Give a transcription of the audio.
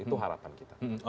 itu harapan kita